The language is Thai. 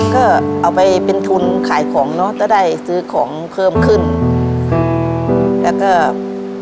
ทับผลไม้เยอะเห็นยายบ่นบอกว่าเป็นยังไงครับ